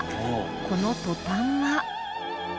このトタンは。